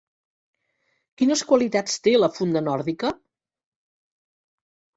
Quines qualitats té la funda nòrdica?